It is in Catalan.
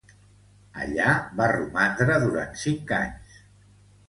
Allà va romandre durant cinc anys.